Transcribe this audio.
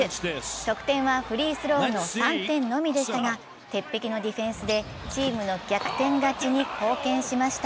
得点はフリースローの３点のみでしたが、鉄壁のディフェンスでチームの逆転勝ちに貢献しました。